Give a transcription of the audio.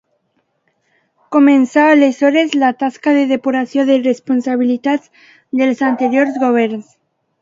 Començà aleshores la tasca de depuració de responsabilitats dels anteriors governs.